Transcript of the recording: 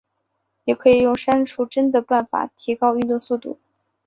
也可以用删除帧的办法提高运动速度。